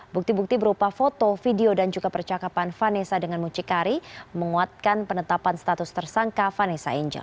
bukti bukti berupa foto video dan juga percakapan vanessa dengan mucikari menguatkan penetapan status tersangka vanessa angel